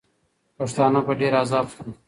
پښتانه په ډېر عذاب سول.